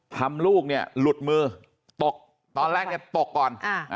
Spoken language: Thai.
ลูกเนี่ยหลุดมือตกตอนแรกเนี่ยตกก่อน